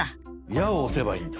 「や」を押せばいいんだ。